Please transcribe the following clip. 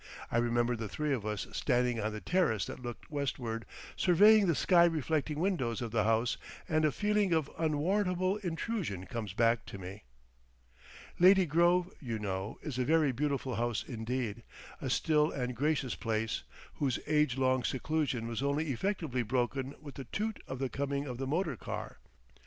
I remember the three of us standing on the terrace that looked westward, surveying the sky reflecting windows of the house, and a feeling of unwarrantable intrusion comes back to me. Lady Grove, you know, is a very beautiful house indeed, a still and gracious place, whose age long seclusion was only effectively broken with the toot of the coming of the motor car.